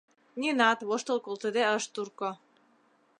Нинат воштыл колтыде ыш турко.